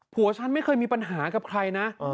ผัวฉันไม่เคยมีปัญหากับใครนะ